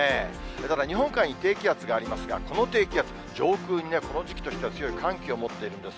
ただ日本海に低気圧がありますが、この低気圧、上空にこの時期としては強い寒気を持っているんです。